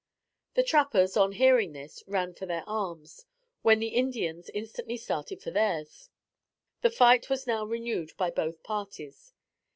The trappers, upon hearing this, ran for their arms; when, the Indians instantly started for theirs. The fight was now renewed by both parties.